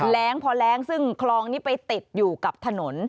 แรงพอแรงซึ่งคลองนี้ไปติดอยู่กับถนน